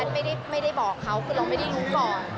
ไม่ได้บอกเขาคือเราไม่ได้รู้ก่อน